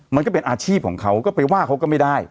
มันก็เป็นอาชีพของเขาก็ไปว่าเขาก็ไม่ได้